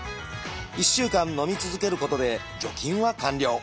１週間のみ続けることで除菌は完了。